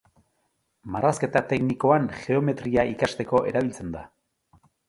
Marrazketa teknikoan geometria ikasteko erabiltzen da.